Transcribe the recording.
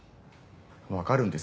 わかるんです。